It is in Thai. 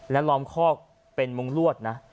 และล้อมคอกเป็นมุงลวดนะ